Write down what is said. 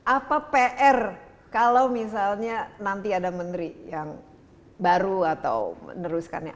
apa pr kalau misalnya nanti ada menteri yang baru atau meneruskannya